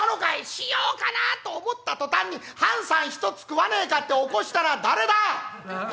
「しようかなあと思った途端に『はんさん一つ食わねえか？』って起こしたのは誰だ！？」。